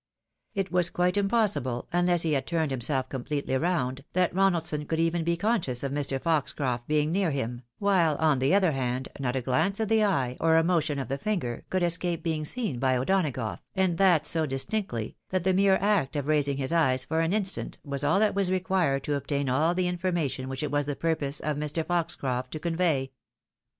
It was quite impossible, unless he had turned himself completely round, that Ronaldson could even be conscious of Mr. Foxcroft being near him ; while on the other hand, not a glance of the eye, or a motion of the finger, could escape being seen by O'Donagough, and that so distinctly, that the mere act of raising his eyes for an instant was all that was required to obtain all the informa tion which it was the purpose of Mr. Foxcroft to convey.